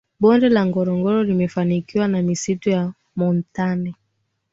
bonde la ngorongoro limefunikwa na misitu ya montane